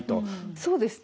そうですね